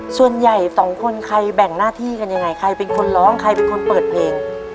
ส่วนใหญ่สองคนใครแบ่งหน้าที่กันยังไงใครเป็นคนร้องใครเป็นคนเปิดเพลง